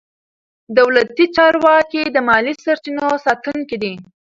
دولتي چارواکي د مالي سرچینو ساتونکي دي.